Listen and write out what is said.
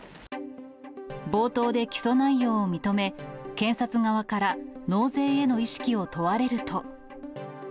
冒頭で起訴内容を認め、検察側から納税への意識を問われると。